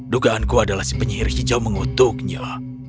dugaanku adalah si penyihir hijau mengutuknya